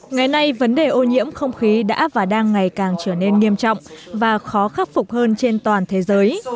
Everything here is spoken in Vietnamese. ngày nay vấn đề ô nhiễm không khí đã và đang ngày càng trở nên nghiêm trọng và khó khắc phục hơn trên toàn thế giới